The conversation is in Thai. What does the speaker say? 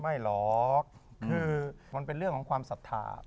ไม่หรอกคือมันเป็นเรื่องของความศรัทธา